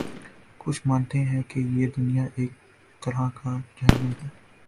کچھ مانتے ہیں کہ یہ دنیا ایک طرح کا جہنم ہے۔